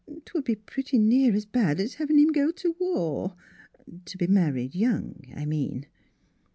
'Twould be pretty near as bad as having him go to war to be married young, I mean."